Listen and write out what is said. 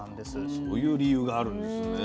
そういう理由があるんですね。